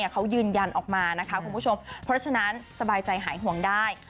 เขายืนยันออกมานะคะคุณผู้ชมเพราะฉะนั้นสบายใจหายห่วงได้